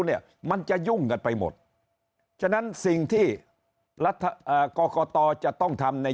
เนี่ยมันจะยุ่งกันไปหมดฉะนั้นสิ่งที่รัฐกรกตจะต้องทำใน